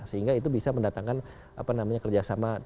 sehingga itu bisa mendatangkan kerjasama